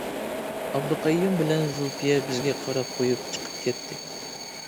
ئابدۇقەييۇم بىلەن زۇلپىيە بىزگە قاراپ قويۇپ چىقىپ كەتتى.